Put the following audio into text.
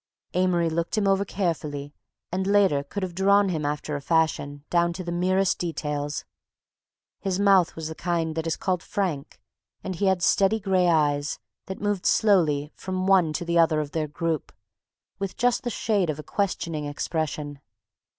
Amory looked him over carefully and later he could have drawn him after a fashion, down to the merest details. His mouth was the kind that is called frank, and he had steady gray eyes that moved slowly from one to the other of their group, with just the shade of a questioning expression.